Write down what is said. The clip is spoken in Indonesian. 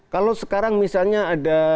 kalau sekarang misalnya ada